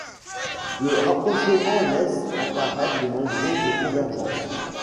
Le rapprochement laisse apparaître de nombreuses convergences.